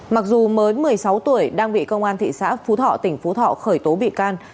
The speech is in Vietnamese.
mặc dù mới một mươi sáu tuổi đang bị công an thị xã phú thọ tỉnh phú thọ khởi tố bị can